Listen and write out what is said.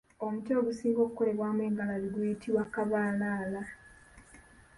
Omuti ogusinga okukolebwamu engalabi guyitibwa Kabalara.